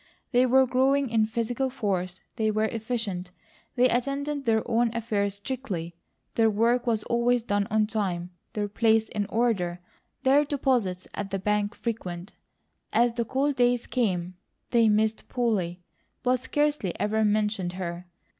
They were growing in physical force, they were efficient, they attended their own affairs strictly. Their work was always done on time, their place in order, their deposits at the bank frequent. As the cold days came they missed Polly, but scarcely ever mentioned her.